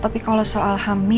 tapi kalau soal hamil